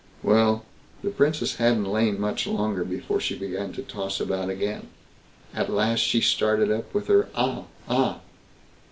Well, the Princess hadn't lain much longer before she began to toss about again. At last she started up with her "Ah! ah!"